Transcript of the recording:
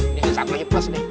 ini satu lagi plus nih